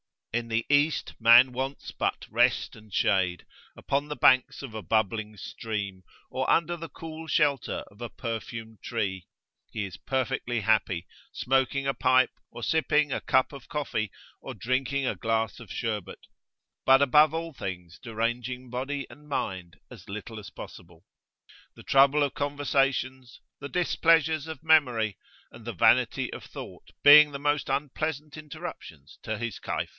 In the East, man wants but rest and shade: upon the banks of a bubbling stream, or under the cool shelter of a perfumed tree, he is perfectly happy, smoking a pipe, or sipping a cup of coffee, or drinking a glass of sherbet, but above all things deranging body and mind as little as possible; the trouble of conversations, the displeasures of memory, and the vanity of thought being the most unpleasant interruptions to his Kayf.